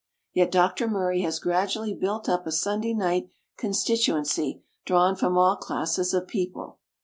Yet Dr. Murray has gradually built up a Sunday night constituency, drawn from all classes of people.